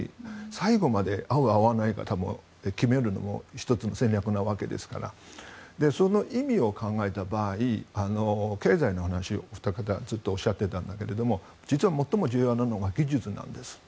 最後まで会う会わないを決めるのも１つの戦略なわけですからその意味を考えた場合経済の話を、お二方ずっとおっしゃっていたんだけども実は、最も重要なのは技術なんです。